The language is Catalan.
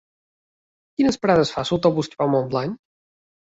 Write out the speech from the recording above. Quines parades fa l'autobús que va a Montblanc?